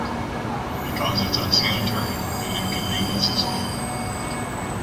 Because it’s unsanitary, it inconveniences me